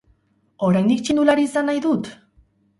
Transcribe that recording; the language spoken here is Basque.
Oraindik txirrindulari izan nahi dut?